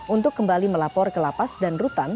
untuk kembali melapor ke lapas dan rutan